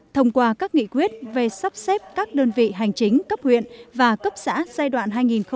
thông qua các nghị quyết về sắp xếp các đơn vị hành chính cấp huyện và cấp xã giai đoạn hai nghìn một mươi chín hai nghìn hai mươi một